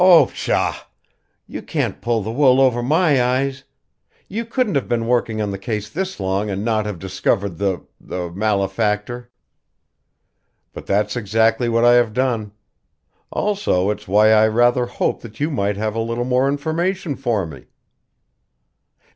"Oh, pshaw! You can't pull the wool over my eyes! You couldn't have been working on the case this long and not have discovered the the malefactor." "But that's exactly what I have done. Also it's why I rather hoped that you might have a little more information for me."